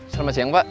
selamat siang pak